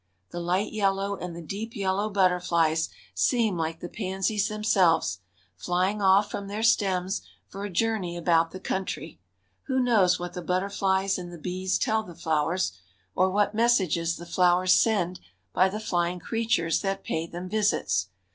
The light yellow and the deep yellow butterflies seem like the pansies themselves, flying off from their stems for a journey about the country. Who knows what the butterflies and the bees tell the flowers, or what messages the flowers send by the flying creatures that pay them visits?